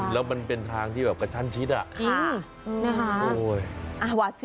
แล้วมันเป็นทางที่แบบกระชั้นชิดอะนะคะ